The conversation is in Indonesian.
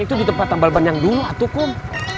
tambalban yang dulu itu kum